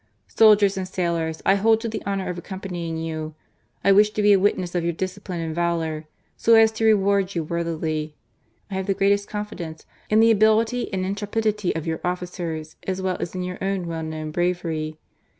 " Soldiers and sailors, I hold to the honour of accompanying you. I wish to be a witness of your discipline and valour, so as to reward you worthily. I have the greatest confidence in the ability and intrepidity of your officers as well as in your own well known bravery.